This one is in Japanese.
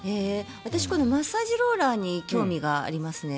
私、このマッサージローラーに興味がありますね。